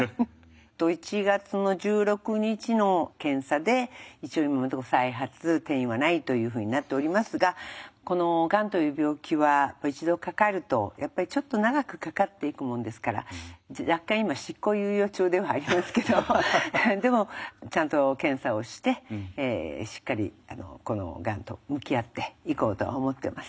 １月の１６日の検査で一応今のところ再発転移はないというふうになっておりますがこのがんという病気は１度かかるとやっぱりちょっと長くかかっていくもんですから若干今執行猶予中ではありますけどでもちゃんと検査をしてしっかりこのがんと向き合っていこうと思ってます。